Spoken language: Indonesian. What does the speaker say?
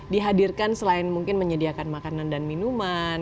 dihadirkan selain mungkin menyediakan makanan dan minuman